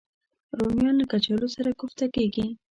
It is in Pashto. رومیان له کچالو سره کوفته کېږي